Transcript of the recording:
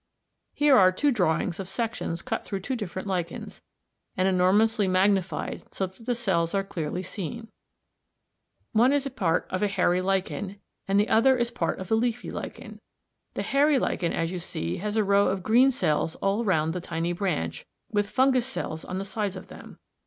Here are two drawings of sections cut through two different lichens, and enormously magnified so that the cells are clearly seen. 1, Fig. 30 is part of a hairy lichen (1, Fig. 28), and 2 is part of a leafy lichen (2, Fig. 28). The hairy lichen as you see has a row of green cells all round the tiny branch, with fungus cells on all sides of them.